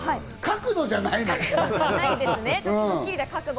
角度じゃないのよ！